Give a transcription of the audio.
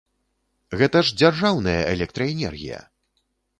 Гэта ж дзяржаўная электраэнергія!